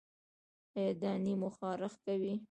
ایا دانې مو خارښ کوي؟